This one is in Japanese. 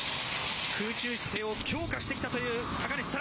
空中姿勢を強化してきたという高梨沙羅。